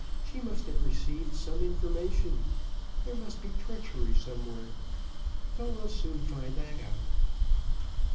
She must have received some information. There must be treachery somewhere; but we'll soon find that out."